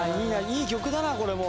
「いい曲だなこれも」